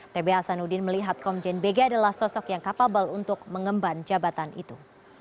tb hasanuddin melihat komjen bg adalah sosok yang capable untuk mengemban jabatan itu